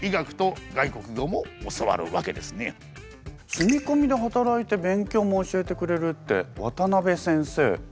住み込みで働いて勉強も教えてくれるって渡部先生